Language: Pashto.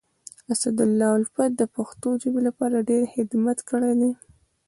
اسدالله الفت د پښتو ژبي لپاره ډير خدمت کړی دی.